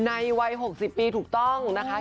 ในวัย๖๐ปีถูกต้องนะคะ